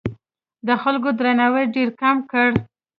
د خلکو درناوی ډېر کم کړ.